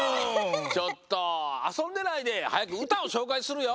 ちょっとあそんでないではやくうたをしょうかいするよ！